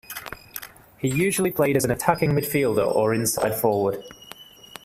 He usually played as an attacking midfielder or inside forward.